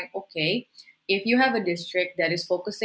anda bisa mulai mengidentifikasi